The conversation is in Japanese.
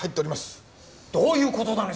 どういう事だね？